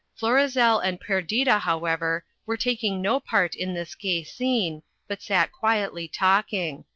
Florizel and Perdita, however, were taking no part in this gay scene, but sat quietly talking.